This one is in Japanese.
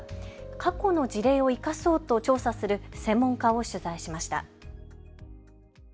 過去の事例を生かそうと調査する専門家を取材しました。